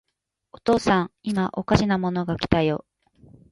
お父さん、いまおかしなものが来たよ。